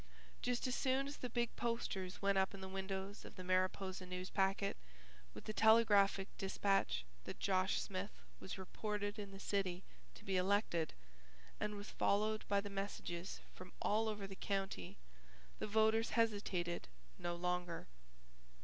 Just as soon as the big posters went up in the windows of the Mariposa Newspacket with the telegraphic despatch that Josh Smith was reported in the city to be elected, and was followed by the messages from all over the county, the voters hesitated no longer.